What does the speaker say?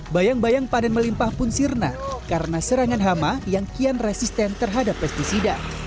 bayang bayang panen melimpah pun sirna karena serangan hama yang kian resisten terhadap pesticida